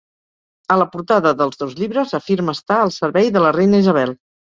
A la portada dels dos llibres, afirma estar al servei de la reina Isabel.